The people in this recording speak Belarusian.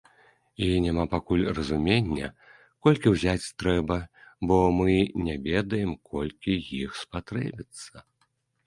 І няма пакуль разумення, колькі ўзяць трэба, бо мы не ведаем, колькі іх спатрэбіцца.